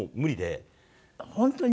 本当に？